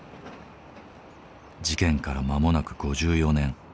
事件から間もなく５４年。